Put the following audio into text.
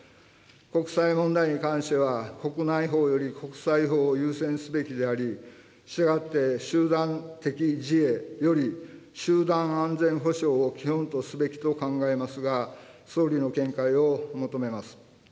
国際問題に関しては、国内法より国際法を優先すべきであり、したがって、集団的自衛より集団安全保障を基本とすべきと考えますが、総理の見解を求めます。